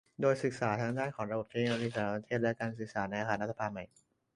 โดยศึกษาทั้งด้านของระบบเทคโนโลยีสารสนเทศและการสื่อสารในอาคารรัฐสภาใหม่